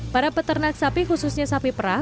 para peternak sapi khususnya sapi perah